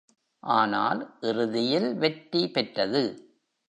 ஆனால் இறுதியில் வெற்றி பெற்றது!